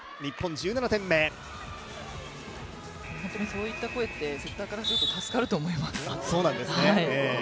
そういった声ってセッターからすると助かると思います。